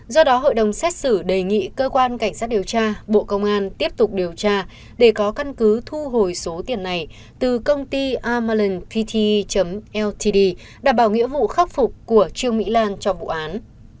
do đó hội đồng xét xử đề nghị cơ quan cảnh sát điều tra bộ công an tiếp tục điều tra để có căn cứ thu hồi số tiền này từ công ty amalan pt ltd đảm bảo nghĩa vụ khắc phục của trương mỹ lan cho vụ án